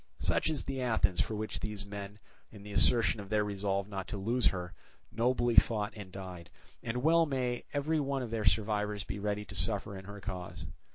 Such is the Athens for which these men, in the assertion of their resolve not to lose her, nobly fought and died; and well may every one of their survivors be ready to suffer in her cause.